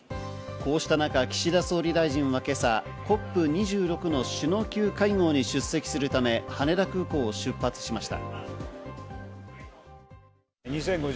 こうした中、岸田総理大臣は今朝、ＣＯＰ２６の首脳級会合に出席するため羽田空港を出発しました。